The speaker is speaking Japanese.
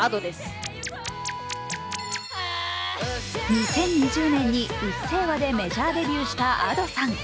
２０２０年に「うっせぇわ」でメジャーデビューしたＡｄｏさん。